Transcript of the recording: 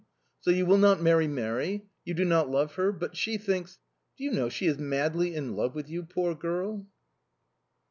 "So you will not marry Mary? You do not love her?... But she thinks... Do you know, she is madly in love with you, poor girl!"...